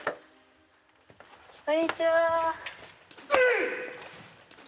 こんにちは。